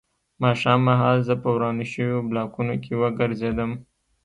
ماښام مهال زه په ورانو شویو بلاکونو کې وګرځېدم